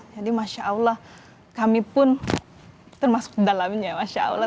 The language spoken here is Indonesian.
jadi masya allah kami pun termasuk dalamnya masya allah